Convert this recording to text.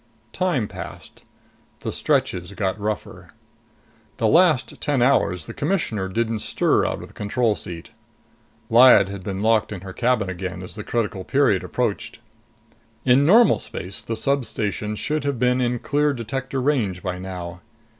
Time passed. The stretches got rougher. The last ten hours, the Commissioner didn't stir out of the control seat. Lyad had been locked in her cabin again as the critical period approached. In normal space, the substation should have been in clear detector range by now.